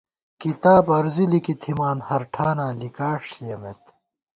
کِتاب عرضی لِکی تھِمان، ہر ٹھاناں لِکاݭ ݪِیَمېت